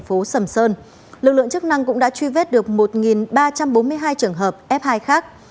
đến sáng ngày hôm nay lực lượng chức năng đã truy vết được một ba trăm bốn mươi hai trường hợp f hai khác